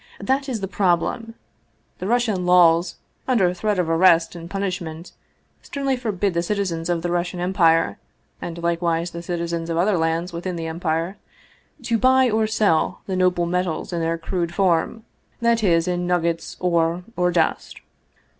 That is the problem. The Russian laws, under threat of arrest and punishment, sternly forbid the citizens of the Russian Em pire, and likewise the citizens of other lands within the empire, to buy or sell the noble metals in their crude form, that is, in nuggets, ore, or dust.